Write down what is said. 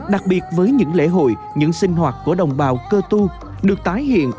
đặc biệt với những lễ hội những sinh hoạt của đồng bào cơ tu được tái hiện